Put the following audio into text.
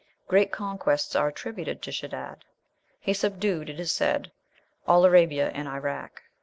Great conquests are attributed to Shedad; he subdued, it is said, all Arabia and Irak.